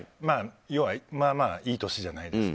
まあまあ、いい歳じゃないですか。